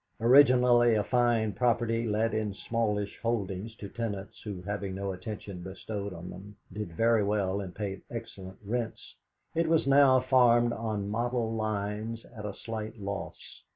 Originally a fine property let in smallish holdings to tenants who, having no attention bestowed on them, did very well and paid excellent rents, it was now farmed on model lines at a slight loss.